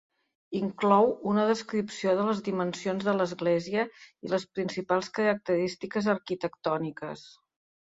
Inclou una descripció de les dimensions de l'església i les principals característiques arquitectòniques.